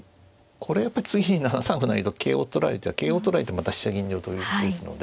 これはやっぱり次に７三歩成と桂を取られてまた飛車銀両取りですので。